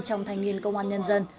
trong thanh niên công an nhân dân